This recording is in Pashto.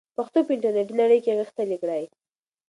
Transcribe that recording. پښتو په انټرنیټي نړۍ کې غښتلې کړئ.